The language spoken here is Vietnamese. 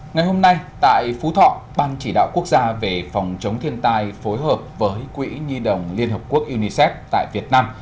ngày hôm nay tại phú thọ ban chỉ đạo quốc gia về phòng chống thiên tai phối hợp với quỹ nhi đồng liên hợp quốc unicef tại việt nam